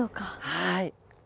はい。